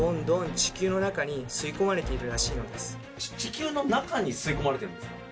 ち地球の中に吸いこまれてるんですか？